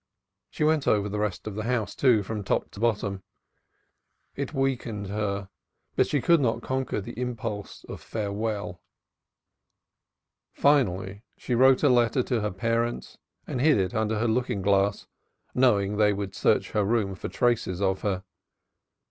She went over the rest of the house, too, from top to bottom. It weakened her but she could not conquer the impulse of farewell, finally she wrote a letter to her parents and hid it under her looking glass, knowing they would search her room for traces of her.